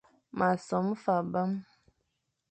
M a som fa abam,